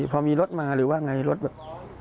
พอมีรถมาหรือว่าไงรถแบบ